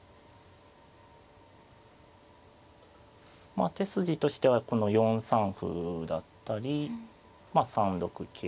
まあ手筋としてはこの４三歩だったりまあ３六桂。